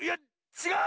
ちがう⁉